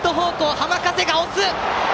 浜風が押す！